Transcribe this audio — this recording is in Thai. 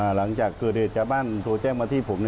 หลังจากเกิดเหตุชาวบ้านโทรแจ้งมาที่ผม